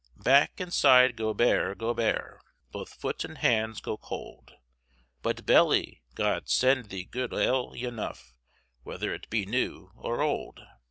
Backe and syde go bare, go bare, Both foote and hand go colde, But, belly, God send thee good ale ynoughe, Whether it be new or olde.